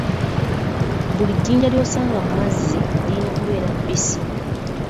Buli jjinja ly'osanga mu mazzi lirina kubeera bbisi.